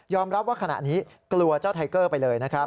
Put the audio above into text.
รับว่าขณะนี้กลัวเจ้าไทเกอร์ไปเลยนะครับ